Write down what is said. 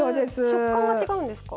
食感が違うんですか？